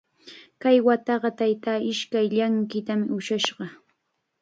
Kay wataqa taytaa ishkay llanqitam ushashqa.